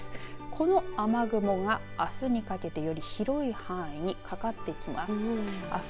この雨雲があすにかけて、より広い範囲にかかってきます。